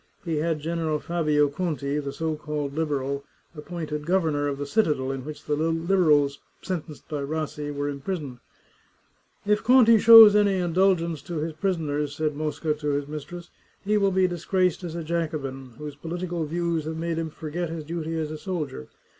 He had General Fabio Conti, the so called Liberal, appointed governor of the citadel in which the Liberals sentenced by Rassi were imprisoned. " If Conti shows any indulgence to his pris oners," said Mosca to his mistress, " he will be disgraced as a Jacobin, whose political views have made him forget his duty as a soldier.